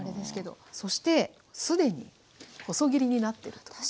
そして既に細切りになってると。